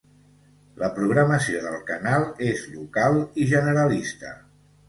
La programació del canal és local i generalista.